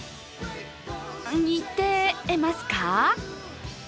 似てますか？